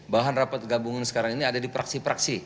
bahan rapat gabungan sekarang ini ada di praksi praksi